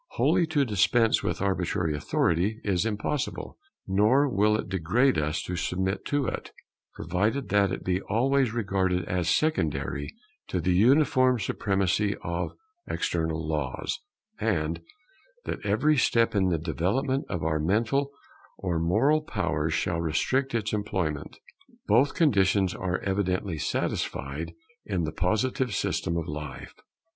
Wholly to dispense with arbitrary authority is impossible; nor will it degrade us to submit to it, provided that it be always regarded as secondary to the uniform supremacy of external Laws, and that every step in the development of our mental and moral powers shall restrict its employment. Both conditions are evidently satisfied in the Positive system of life.